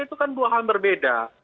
itu kan dua hal berbeda